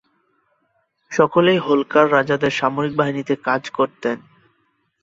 সকলেই হোলকার রাজাদের সামরিক বাহিনীতে কাজ করতেন।